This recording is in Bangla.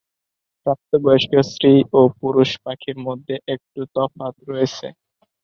প্রাপ্তবয়স্ক স্ত্রী ও পুরুষ পাখির মধ্যে একটু তফাৎ রয়েছে।